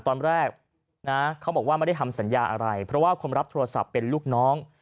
ตอนแรกนะเขาบอกว่าไม่ได้ทำสัญญาอะไรเพราะว่าคนรับโทรศัพท์เป็นลูกน้อง